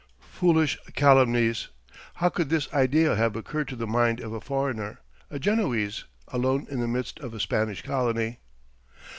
Foolish calumnies! How could this idea have occurred to the mind of a foreigner, a Genoese, alone in the midst of a Spanish colony!